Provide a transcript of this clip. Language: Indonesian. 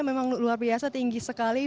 memang luar biasa tinggi sekali